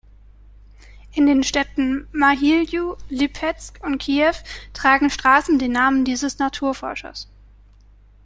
In den Städten Mahiljou, Lipezk und Kiew tragen Straßen den Namen dieses Naturforschers.